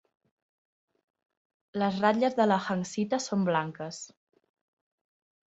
Les ratlles de la hanksita són blanques.